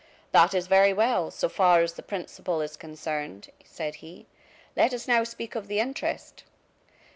"That is very well, so far as the principal is concerned," said he. "Let us speak now of the interest.